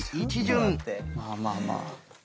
まあまあまあ。